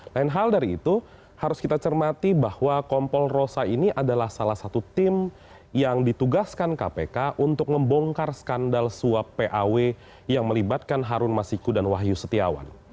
lain hal dari itu harus kita cermati bahwa kompol rosa ini adalah salah satu tim yang ditugaskan kpk untuk membongkar skandal suap paw yang melibatkan harun masiku dan wahyu setiawan